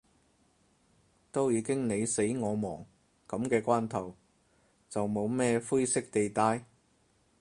都已經你死我亡，噉嘅關頭，就冇咩灰色地帶